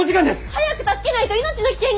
早く助けないと命の危険が！